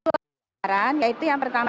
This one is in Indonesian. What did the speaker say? pendaftaran yaitu yang pertama